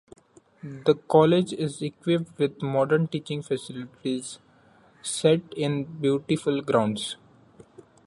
The College is equipped with modern teaching facilities set in beautiful grounds.